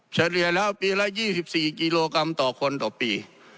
เฉลี่ยแล้วปีละ๒๔กิโลกรัมต่อคนต่อปี